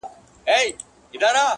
خو درد د ذهن له ژورو نه وځي هېڅکله-